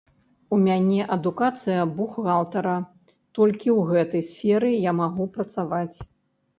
У мяне адукацыя бухгалтара, толькі ў гэтай сферы я магу працаваць.